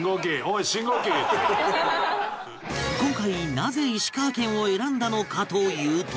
今回なぜ石川県を選んだのかというと